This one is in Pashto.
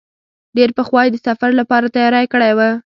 ډېر پخوا یې د سفر لپاره تیاری کړی و.